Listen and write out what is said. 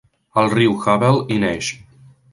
El riu Havel hi neix.